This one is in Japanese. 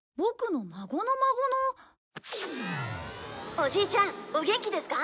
「おじいちゃんお元気ですか？」